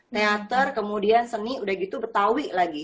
teater kemudian seni udah gitu betawi lagi